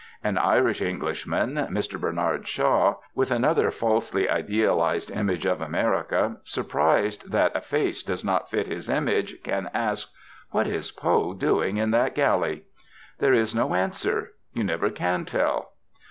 An Irish Englishman, Mr. Bernard Shaw, with another falsely idealized image of America, surprised that a face does not fit his image, can ask: "What is Poe doing in that galley?" There is no answer. You never can tell.